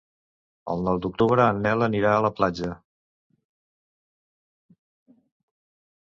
El nou d'octubre en Nel anirà a la platja.